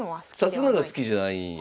指すのが好きじゃないんや。